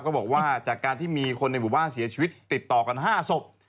บอกว่าจากการที่มีคนในหมู่บ้านเสียชีวิตติดต่อกัน๕ศพ